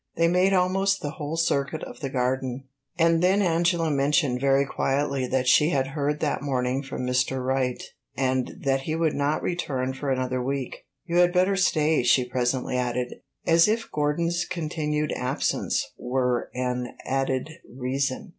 They made almost the whole circuit of the garden, and then Angela mentioned very quietly that she had heard that morning from Mr. Wright, and that he would not return for another week. "You had better stay," she presently added, as if Gordon's continued absence were an added reason.